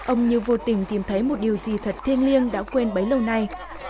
ông như vô tình tìm thấy một điều gì thật thiêng liêng đã quên bấy lâu nay